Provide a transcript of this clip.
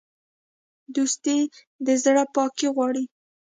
دوستي د زړه پاکي غواړي.